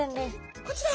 こちら？